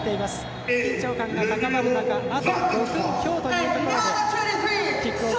緊張感高まる中あと５分強というところです。